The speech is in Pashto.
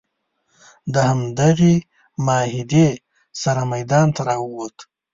د همدغې معاهدې سره میدان ته راووت.